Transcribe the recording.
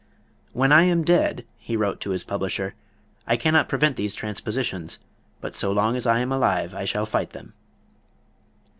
"When I am dead," he wrote to his publisher, "I cannot prevent these transpositions, but so long as I am alive I shall fight them."